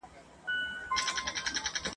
قرض د پلار هم بد دی !.